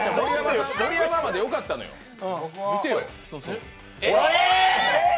盛山までよかったのよ、見てよ。